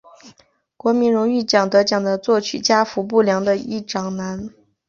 国民荣誉奖得奖的作曲家服部良一的长男。